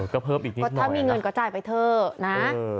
ถ้ามีเงินก็จ่ายไปเถอะ